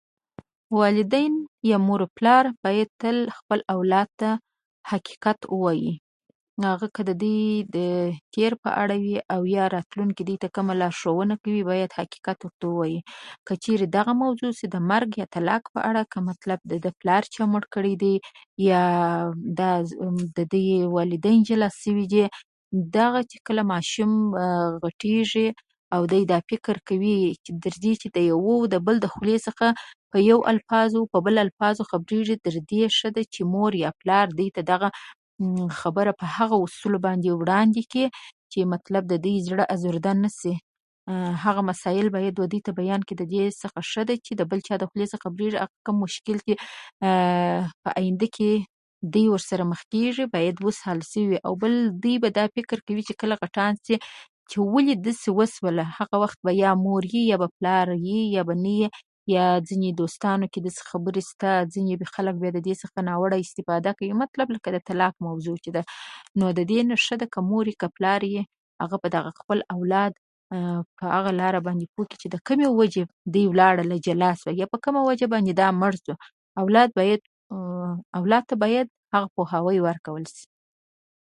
ولسواکي او هيواد دوستي چې موجوده وي هيواد پرمختګ کوي